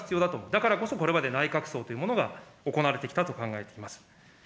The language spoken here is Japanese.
だからこそこれまで内閣葬というものが行われてきたと考えています。